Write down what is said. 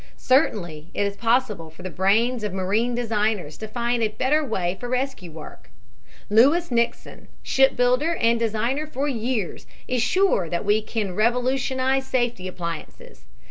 Certainly it is possible for the brains of marine designers to find a better way for rescue work. Lewis Nixon, ship builder and designer for years, is sure that we can revolutionize safety appliances.